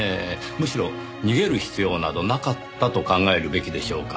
むしろ逃げる必要などなかったと考えるべきでしょうか。